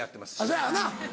そやわな。